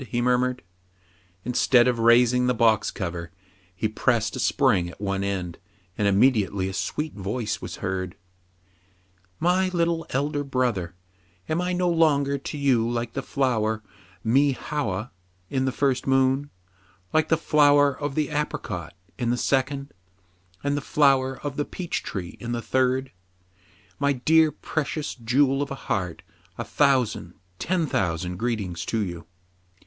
'* he murmured. Instead of raising the box cover, he pressed a spring at one end, and immediately a sweet voice was heard :—" My little elder brother, am I no longer to you like the flower mei houa in the first moon, like the flower of the apricot in the second, and the flower of the peach tree in the third } My dear, precious jewel of a heart, a thousand, ten thousand greet ings to you